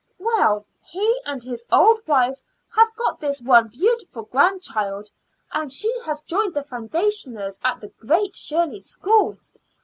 "Well, he and his old wife have got this one beautiful grandchild, and she has joined the foundationers at the Great Shirley School.